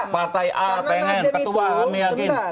partai a pengen ketua kami yakin